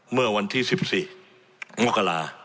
เมื่อวันที่๑๔มกรา